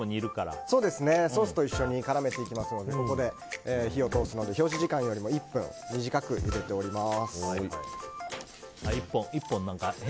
ソースと一緒に絡めていきますのでここで火を通すので表示時間よりも１分短くゆでております。